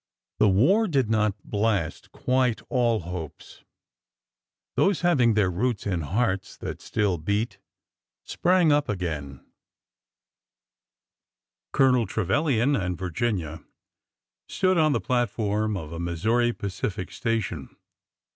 The war did not blast quite all hopes. Those having their roots in hearts that still beat sprang up again. 394 ORDER NO. 11 Colonel Trevilian and Virginia stood on the platform of a Missouri Pacific station.